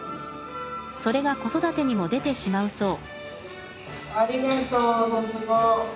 それが子育てにも出てしまうそう。